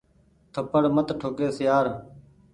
ٿپڙ مت ٺو ڪيس يآر۔